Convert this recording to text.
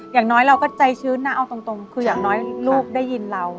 อย่างน้อยเราก็ใจชื้นนะเอาตรงคืออย่างน้อยลูกได้ยินเรา